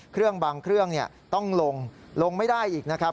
เครื่องบางเครื่องเนี่ยต้องลงลงไม่ได้อีกนะครับ